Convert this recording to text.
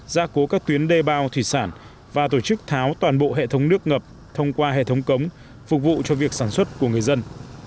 gia cố các tuyến đê bao thủy sản và tổ chức tháo toàn bộ hệ thống nước ngập thông qua hệ thống cống phục vụ cho việc sản xuất của người dân